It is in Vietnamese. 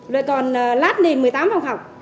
rồi còn lát lên một mươi tám phòng học